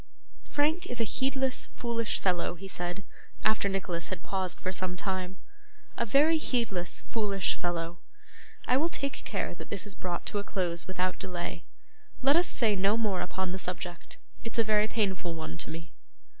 'Frank is a heedless, foolish fellow,' he said, after Nicholas had paused for some time; 'a very heedless, foolish fellow. I will take care that this is brought to a close without delay. Let us say no more upon the subject; it's a very painful one to me.